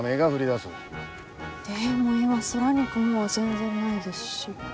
でも今空に雲は全然ないですし。